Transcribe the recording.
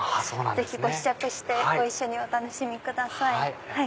ぜひご試着してご一緒にお楽しみください。